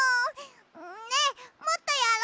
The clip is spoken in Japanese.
ねえもっとやろ！